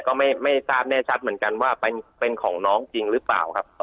ก็ไม่ทราบแน่ชัดเหมือนกันว่าเป็นของน้องจริงหรือเปล่าครับ